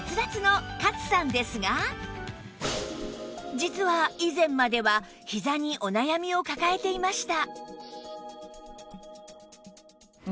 実は以前まではひざにお悩みを抱えていました